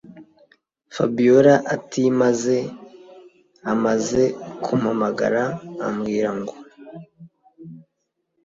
Fabiora atimaze amaze kumpamagara abwira ngo